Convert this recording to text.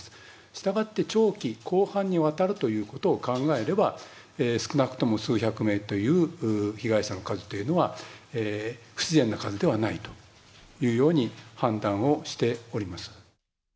したがって、長期広範にわたるということを考えれば、少なくとも数百名という被害者の数というのは、不自然な数ではないというように判断をしております。